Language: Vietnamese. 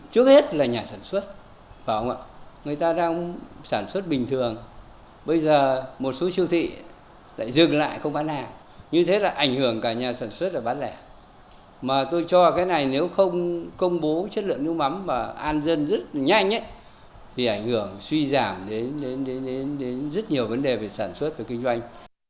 thì ảnh hưởng suy giảm đến rất nhiều vấn đề về sản xuất và kinh doanh